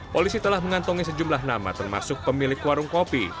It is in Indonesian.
polisi telah mengantongi sejumlah nama termasuk pemilik warung kopi